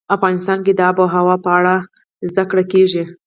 افغانستان کې د آب وهوا په اړه زده کړه کېږي.